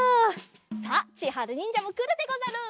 さあちはるにんじゃもくるでござる。